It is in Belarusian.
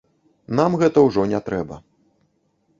Нам гэта ўжо не трэба.